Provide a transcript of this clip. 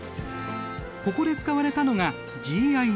ここで使われたのがＧＩＳ。